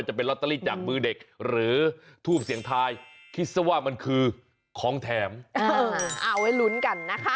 ให้หลุ้นกันนะคะ